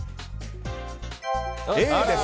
Ａです。